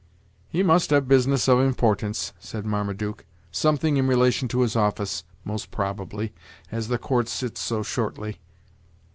"He must have business of importance," said Marmaduke: "something in relation to his office, most probably, as the court sits so shortly."